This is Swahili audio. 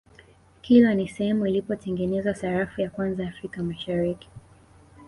kilwa ni sehemu ilipotengenezwa sarafu ya kwanza africa mashariki